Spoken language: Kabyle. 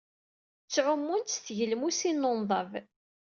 Ttɛumunt s tgelmusin n unḍab.